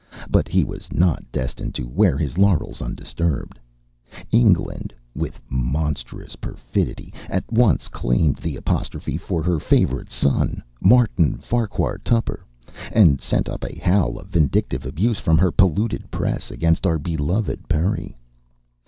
But he was not destined to wear his laurels undisturbed: England, with monstrous perfidy, at once claimed the "Apostrophe" for her favorite son, Martin Farquhar Tupper, and sent up a howl of vindictive abuse from her polluted press against our beloved Perry.